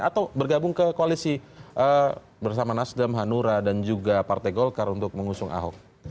atau bergabung ke koalisi bersama nasdem hanura dan juga partai golkar untuk mengusung ahok